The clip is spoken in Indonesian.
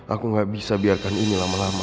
aku gak bisa biarkan ini lama lama